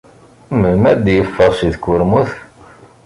Melmi ay d-teffɣed seg tkurmut?